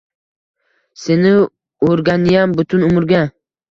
Seni o‘rganayin butun umrga.